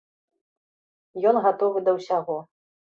Ён гатовы да ўсяго.